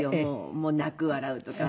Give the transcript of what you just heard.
もう泣く笑うとか。